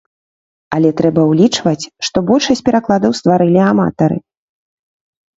Але трэба ўлічваць, што большасць перакладаў стварылі аматары.